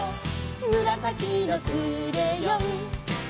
「むらさきのクレヨン」